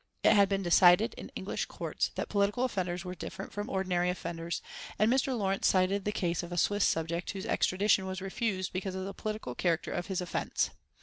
It had been decided in English Courts that political offenders were different from ordinary offenders, and Mr. Lawrence cited the case of a Swiss subject whose extradition was refused because of the political character of his offence.